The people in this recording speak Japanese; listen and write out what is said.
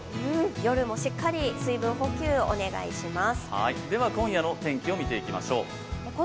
夜もしっかり水分補給をお願いします。